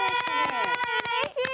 うれしい。